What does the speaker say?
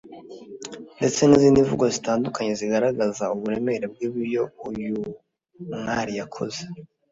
ndetse n’izindi mvugo zitandukanye zigaragaza uburemere by’ibyo uyu mwari yakoze